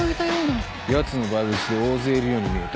やつのバイブスで大勢いるように見えた。